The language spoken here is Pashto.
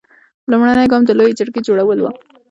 لومړنی ګام د لویې جرګې جوړول و.